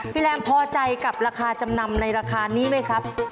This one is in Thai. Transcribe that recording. แรมพอใจกับราคาจำนำในราคานี้ไหมครับ